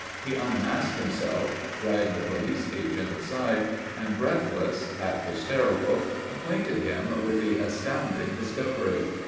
He unmasked himself, dragged the police agent aside, and breathless, half hysterical, acquainted him with the astounding discovery.